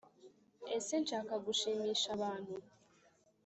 ese nshaka gushimisha abantu